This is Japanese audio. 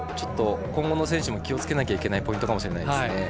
今後の選手も気をつけないといけないポイントかもしれないですね。